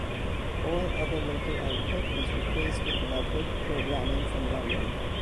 All other local output was replaced with networked programming from London.